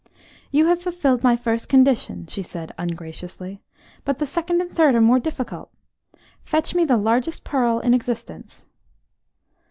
"You have fulfilled my first condition," she said ungraciously, "but the second and third are more difficult. Fetch me the largest pearl in existence."